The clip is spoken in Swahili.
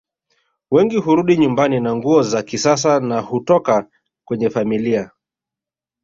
Wengi hurudi nyumbani na nguo za kisasa na hutoka kwenye familia